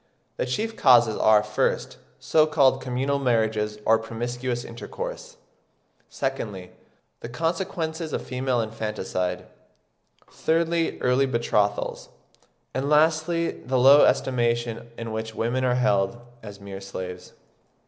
The chief causes are, first, so called communal marriages or promiscuous intercourse; secondly, the consequences of female infanticide; thirdly, early betrothals; and lastly, the low estimation in which women are held, as mere slaves.